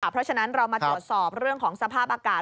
เพราะฉะนั้นเรามาตรวจสอบเรื่องของสภาพอากาศ